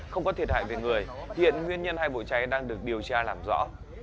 không có thiệt hại về người hiện nguyên nhân hai bộ cháy đang được điều tra làm rõ